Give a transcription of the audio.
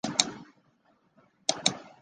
更衣是一个职官的名衔。